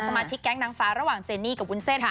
มาชิกแก๊งนางฟ้าระหว่างเจนี่กับวุ้นเส้น